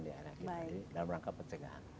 dalam rangka pencegahan